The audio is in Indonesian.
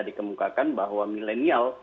dikemukakan bahwa milenial